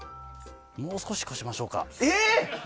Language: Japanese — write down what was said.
もう少しこしましょうか。